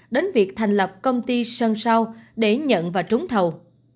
đến việc thành lập công ty sân sao để nhận và trúng thầu